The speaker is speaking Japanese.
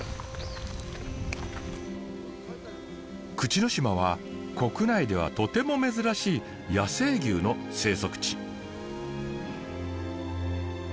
口之島は国内ではとても珍しい野生牛の生息地。